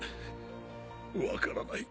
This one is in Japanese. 分からない。